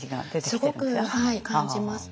すごく感じます。